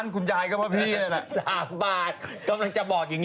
สนุนโดยดีที่สุดคือการให้ไม่สิ้นสุด